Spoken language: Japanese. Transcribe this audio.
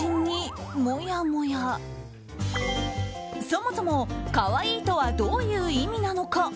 そもそも、可愛いとはどういう意味なのか。